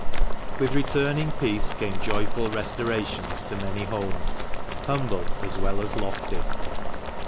With returning peace came joyful restorations to many homes, humble as well as lofty.